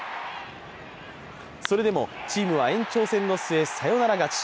それでも、チームは延長戦の末サヨナラ勝ち。